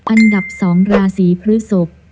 อันดับ๒ราศีพฤศพ